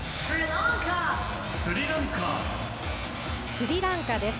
スリランカです。